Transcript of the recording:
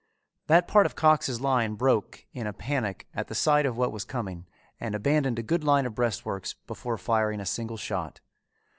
That part of Cox's line broke in a panic at the sight of what was coming and abandoned a good line of breastworks before firing a single shot.